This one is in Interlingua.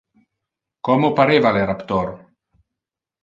Como pareva le raptor?